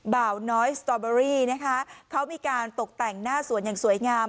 บ่าวน้อยสตอเบอรี่นะคะเขามีการตกแต่งหน้าสวนอย่างสวยงาม